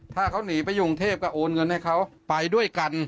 ถ้าเขาหนีไปอยู่กรุงเทพก็โอนเงินให้เขาไปด้วยกัน